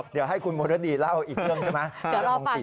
เดี๋ยวให้คุณมรดีเล่าอีกเรื่องใช่ไหม